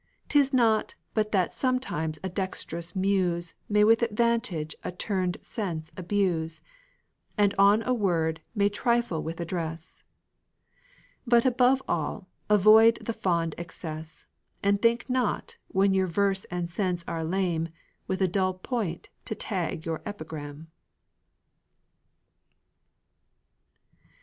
'Tis not but that sometimes a dextrous muse May with advantage a turned sense abuse, And on a word may trifle with address; But above all, avoid the fond excess, And think not, when your verse and sense are lame, With a dull point to tag your epigram.